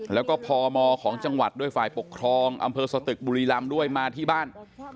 แล้วก็พมของจังหวัดด้วยฝ่ายปกครองอำเภอสตึกบุรีรำด้วยมาที่บ้าน